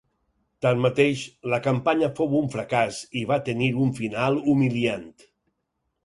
Tanmateix, la campanya fou un fracàs i va tenir un final humiliant.